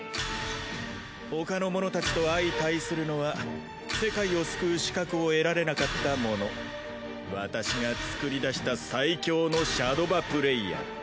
他の者たちと相対するのは世界を救う資格を得られなかった者私が創り出した最強のシャドバプレイヤー。